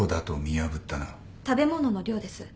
食べ物の量です。